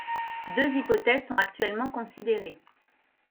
Deux hypothèses sont actuellement considérées.